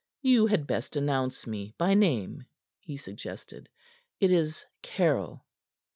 "You had best announce me by name," he suggested. "It is Caryll."